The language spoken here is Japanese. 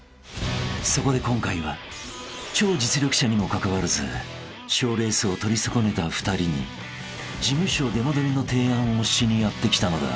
［そこで今回は超実力者にもかかわらず賞レースを取り損ねた２人に事務所出戻りの提案をしにやって来たのだ］